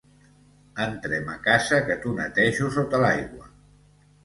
Entrem a casa que t'ho netejo sota l'aigua.